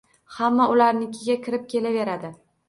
Xamma ularnikiga kirib kelaveradi.